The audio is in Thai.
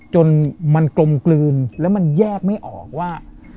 จนมันกลมกลืนแล้วมันแยกไม่ออกว่า